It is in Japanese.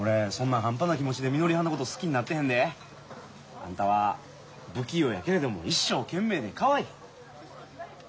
あんたは不器用やけれども一生懸命でかわいい。